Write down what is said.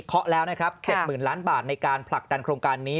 เคาะแล้วนะครับ๗๐๐๐ล้านบาทในการผลักดันโครงการนี้